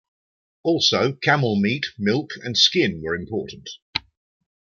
Also camel meat, milk, and skin were important.